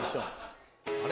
あれ？